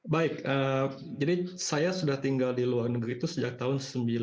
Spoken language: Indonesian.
baik jadi saya sudah tinggal di luar negeri itu sejak tahun seribu sembilan ratus sembilan puluh